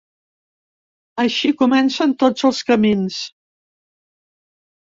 Així comencen tots els camins.